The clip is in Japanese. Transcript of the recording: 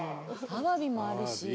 アワビもあるし。